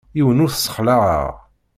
Yiwen ur t-ssexlaɛeɣ.